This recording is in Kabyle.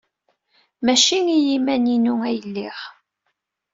Maci i yiman-inu ay lliɣ.